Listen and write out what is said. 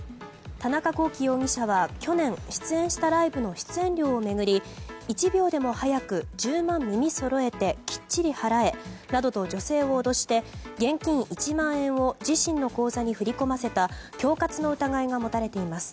田中聖容疑者は去年出演したライブの出演料を巡り１秒でも早く１０万耳そろえてきっちり払えなどと女性を脅して現金１万円を自身の口座に振り込ませた恐喝の疑いが持たれています。